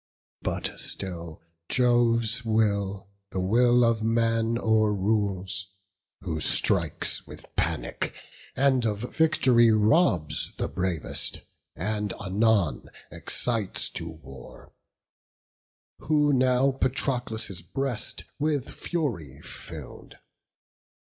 But still Jove's will the will of man o'errules: Who strikes with panic, and of vict'ry robs The bravest; and anon excites to war; Who now Patroclus' breast with fury fill'd.